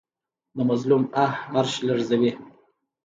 د مظلوم آه عرش لرزوي